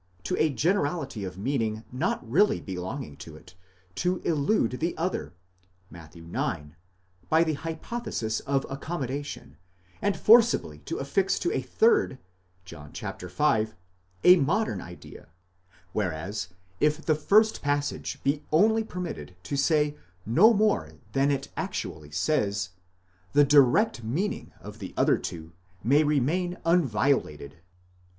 to a generality of meaning not really belonging to it, to elude the other (Matt. ix.) by the hypothesis of accommodation, and forcibly to affix to a third (John v.) a modern idea ; whereas if the first passage be only permitted to say no more than it actually says, the direct meaning of the other two may remain unviolated